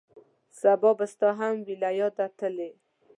سبا به ستا هم وي له یاده تللی